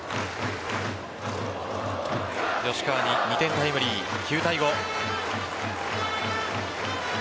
吉川に２点タイムリー９対５。